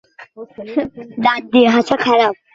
পুরু চামড়াটা ভেদ করাই একটা দুরূহ ব্যাপার।